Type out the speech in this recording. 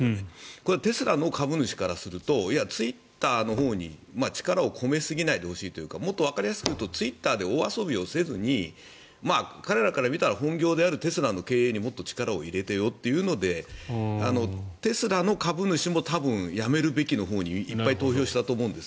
これはテスラの株主からするとツイッターのほうに力を込め過ぎないでほしいというかもっとわかりやすく言うとツイッターで大遊びをせずに彼らから見たら本業であるテスラの経営にもっと力を入れてよというのでテスラの株主も辞めるべきのほうにいっぱい投票したと思うんです。